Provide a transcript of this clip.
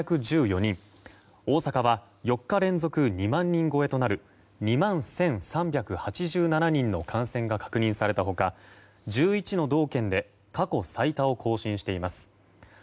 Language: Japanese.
大阪は４日連続２万人超えとなる２万１３８７人の感染が確認された他１１の道県で過去最多を更新しています。